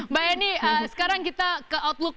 mbak eni sekarang kita ke outlook